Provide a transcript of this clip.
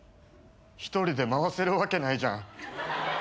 一人で回せるわけないじゃん。